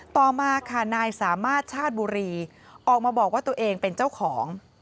ต่อมาค่ะนายสามารถชาติบุรีออกมาบอกว่าตัวเองเป็นเจ้าของ